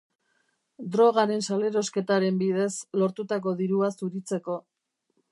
Drogaren salerosketaren bidez lortutako dirua zuritzeko.